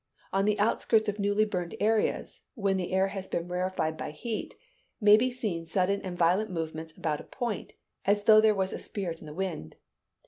On the outskirts of newly burned areas, when the air has been rarefied by heat, may be seen sudden and violent movements about a point, as though there was a spirit in the wind.